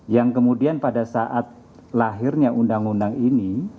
yang kemudian pada saat lahirnya undang undang ini